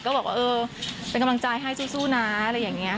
ก็บอกว่าเออเป็นกำลังใจให้สู้นะอะไรอย่างนี้ค่ะ